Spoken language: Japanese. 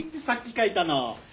さっき書いたの！